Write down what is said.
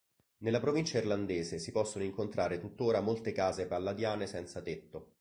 Nella provincia irlandese si possono incontrare tuttora molte case palladiane senza tetto.